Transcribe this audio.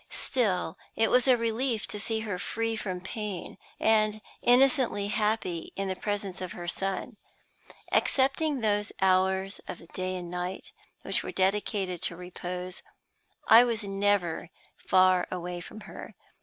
Still, it was a relief to see her free from pain, and innocently happy in the presence of her son. Excepting those hours of the day and night which were dedicated to repose, I was never away from her.